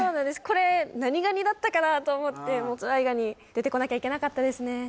これ何ガニだったかなと思ってズワイガニ出てこなきゃいけなかったですね